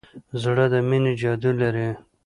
زړه د مینې جادو لري.